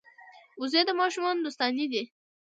وزې د ماشومانو دوستانې دي